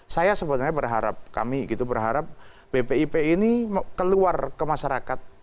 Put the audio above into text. saya sebenarnya berharap kami gitu berharap bpip ini keluar ke masyarakat